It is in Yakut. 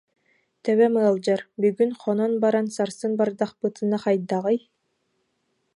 Төбөм ыалдьар, бүгүн хонон баран сарсын бардахпытына хайдаҕый